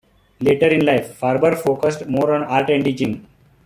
Later in life, Farber focused more on art and teaching.